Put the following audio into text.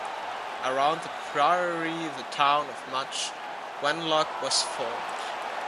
Around the Priory, the town of Much Wenlock was formed.